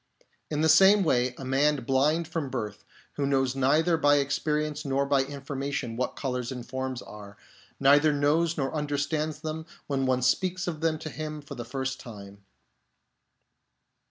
In the same way, a man blind from birth, who knows neither by experience nor by information what colours and forms are, neither knows nor understands them when some one speaks of them to him for the first time.